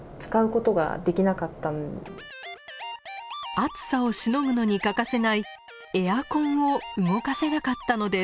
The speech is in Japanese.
暑さをしのぐのに欠かせないエアコンを動かせなかったのです。